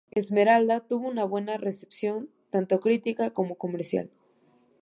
Esmeralda tuvo una buena recepción tanto crítica como comercial.